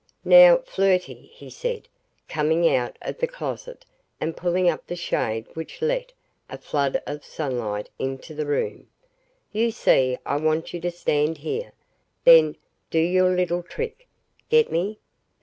"Now, Flirty," he said, coming out of the closet and pulling up the shade which let a flood of sunlight into the room, "you see, I want you to stand here then, do your little trick. Get me?"